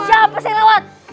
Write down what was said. siapa sih yang lewat